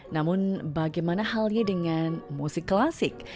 namun bagaimana halnya dengan musik klasik